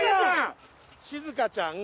ずかちゃん。